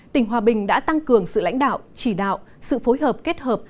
tỉnh hòa bình đã tăng cường sự lãnh đạo chỉ đạo sự phối hợp kết hợp